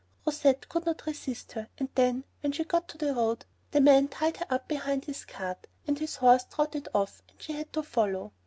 Rousette could not resist her, and then, when she got to the road, the man tied her up behind his cart and his horse trotted off and she had to follow.